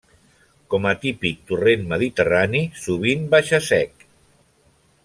Com a típic torrent mediterrani, sovint baixa seca.